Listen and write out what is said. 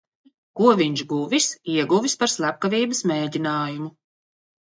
Ko viņš guvis, ieguvis par slepkavības mēģinājumu.